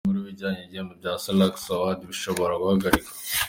Inkuru bijyanye:Ibihembo bya Salax Awards bishobora guhagarikwa.